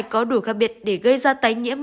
có đủ khác biệt để gây ra tái nhiễm